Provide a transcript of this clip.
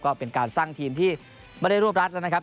ก็เป็นการสร้างทีมที่ไม่ได้รวบรัดแล้วนะครับ